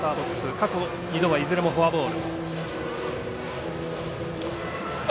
過去はいずれもフォアボール。